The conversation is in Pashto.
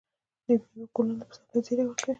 د میوو ګلونه د پسرلي زیری ورکوي.